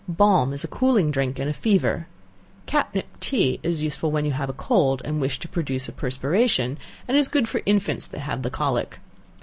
Balm is a cooling drink in a fever. Catnip tea is useful when you have a cold, and wish to produce a perspiration, and is good for infants that have the colic.